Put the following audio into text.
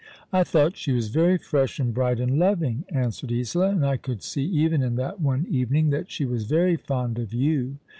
"I thought she was very fresh and bright and loving," answered Isola, " and I could see even in that one evening that she was very fond of you."